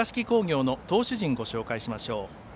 工業の投手陣をご紹介しましょう。